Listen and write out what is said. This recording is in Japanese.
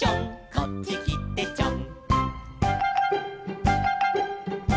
「こっちきてちょん」